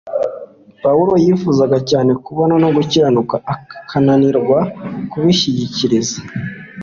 Paulo yifuzaga cyane kubonera no gukiranuka akananirwa kubyishyikiriza